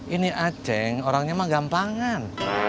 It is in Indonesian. ini aceng orangnya mah gampangan